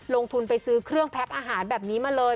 ลงทุนไปซื้อเครื่องแพ็คอาหารแบบนี้มาเลย